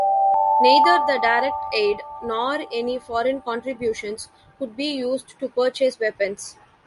Neither the direct aid, nor any foreign contributions, could be used to purchase weapons.